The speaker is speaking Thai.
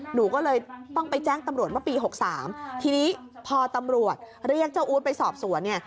หนูก็เลยต้องไปแจ้งตำรวจเมื่อปี๖๓ทีนี้พอตำรวจเรียกเจ้าอู๊ดไปสอบสวนเนี่ย